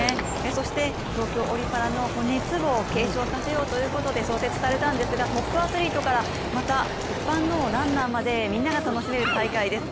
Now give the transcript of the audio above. そして東京オリ・パラの熱を継承させようということで創設されたんですが、トップアスリートからまた一般のランナーまでみんなが楽しめる大会です。